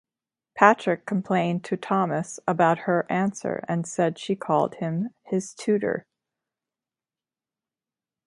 Patrick complained to Thomas about her answer and said she called him "his tutor".